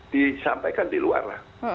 disampaikan di luar